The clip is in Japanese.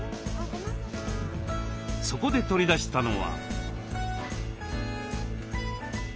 そこで取り出したのは。